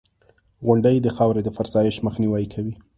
• غونډۍ د خاورو د فرسایش مخنیوی کوي.